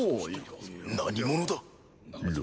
何者だ？